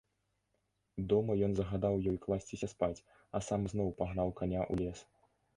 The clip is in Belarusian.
Дома ён загадаў ёй класціся спаць, а сам зноў пагнаў каня ў лес.